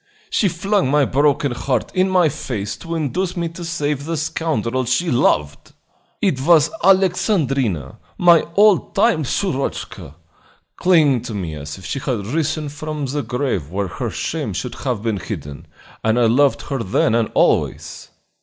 She flung my broken heart in my face to induce me to save the scoundrel she loved! "It was Alexandrina, my old time Shurochka, clinging to me as if she had risen from the grave where her shame should have been hidden, and I loved her then and always.